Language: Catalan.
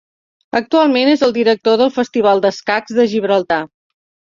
Actualment és el director del Festival d'escacs de Gibraltar.